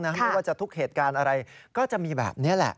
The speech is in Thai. ไม่ว่าจะทุกเหตุการณ์อะไรก็จะมีแบบนี้แหละ